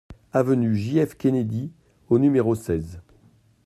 Avenue J F Kennedy au numéro seize